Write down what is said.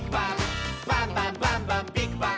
「バンバンバンバンビッグバン！」